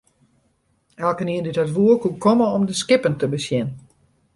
Elkenien dy't dat woe, koe komme om de skippen te besjen.